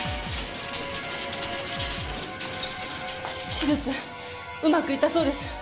手術うまくいったそうです。